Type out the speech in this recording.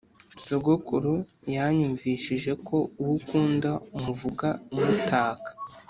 sogokuru yanyumvishije ko uwo ukunda umuvuga umutaka